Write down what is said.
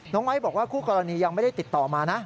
ไม้บอกว่าคู่กรณียังไม่ได้ติดต่อมานะ